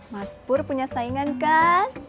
mas pur punya saingan kak